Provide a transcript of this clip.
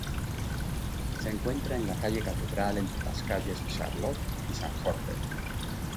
Se encuentra enn la calle Catedral entre las calles Charlotte y San Jorge.